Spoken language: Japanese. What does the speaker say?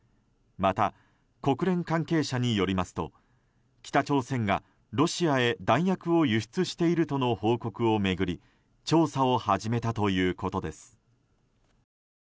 また、国連関係者によりますと北朝鮮がロシアへ弾薬を輸出しているとの報告を巡り調査を始めたということです。